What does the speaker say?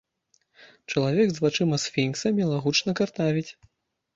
Чалавек з вачыма сфінкса мілагучна картавіць.